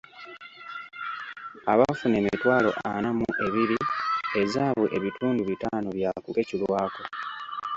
Abafuna emitwalo ana mu ebiri, ezaabwe ebitundu bitaano byakukeculwako.